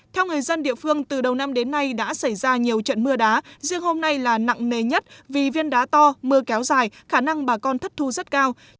theo người dân địa phương từ đầu năm đến nay đã xảy ra nhiều trận mưa đá riêng hôm nay là nặng nề nhất vì viên đá to mưa kéo dài khả năng bà con thất thu rất cao